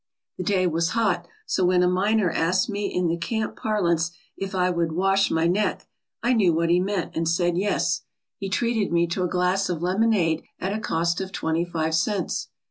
The day was hot, so when a miner asked me in the camp parlance if I would "wash my neck," I knew what he meant and said yes. He treated me to a glass of lemonade at a cost of twenty five cents.